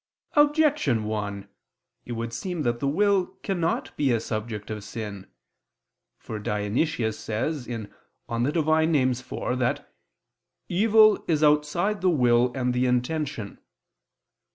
Objection 1: It would seem that the will cannot be a subject of sin. For Dionysius says (Div. Nom. iv) that "evil is outside the will and the intention."